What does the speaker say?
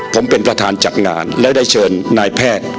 ผมเป็นประธานจัดงานและได้เชิญนายแพทย์